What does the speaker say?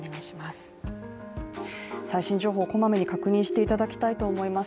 最新情報、こまめに確認していただきたいと思います。